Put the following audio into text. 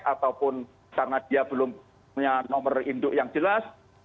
ataupun karena dia belum punya nomor induk yang jelas